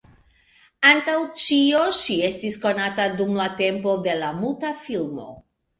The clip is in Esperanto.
Antaŭ ĉio ŝi estis konata dum la tempo de la muta filmo.